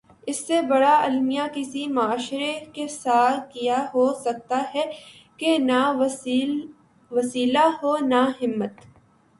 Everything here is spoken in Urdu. اس سے بڑا المیہ کسی معاشرے کے ساتھ کیا ہو سکتاہے کہ نہ وسیلہ ہو نہ ہمت۔